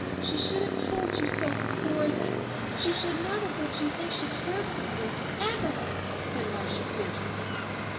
"She should have told you so before then. She should not have let you think she cared for you—ever!" said Marcia fiercely.